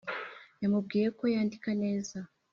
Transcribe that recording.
yamubwiye ko yandika neza